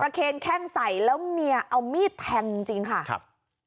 เคนแข้งใส่แล้วเมียเอามีดแทงจริงค่ะครับ